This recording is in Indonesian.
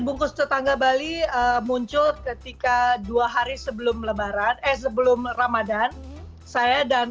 bungkus tetangga bali muncul ketika dua hari sebelum lebaran eh sebelum ramadhan saya dan